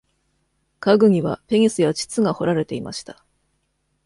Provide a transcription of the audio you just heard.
家具にはペニスや膣が彫られていました。